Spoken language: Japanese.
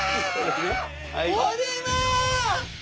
これは！